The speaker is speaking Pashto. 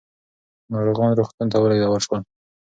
ناروغان روغتون ته ولېږدول شول.